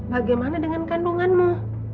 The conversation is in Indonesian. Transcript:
bagaimana dengan kandunganmu